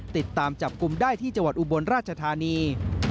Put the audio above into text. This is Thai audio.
ติดตามจับกลุ่มได้ที่จังหวัดอุบลราชธานี